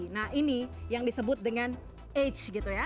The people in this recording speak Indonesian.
nah ini yang disebut dengan h